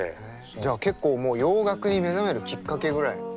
じゃあ結構もう洋楽に目覚めるきっかけぐらいの。